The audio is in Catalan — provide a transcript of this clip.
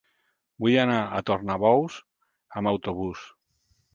Vull anar a Tornabous amb autobús.